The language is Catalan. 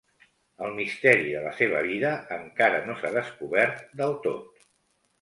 El misteri de la seva vida encara no s'ha descobert del tot.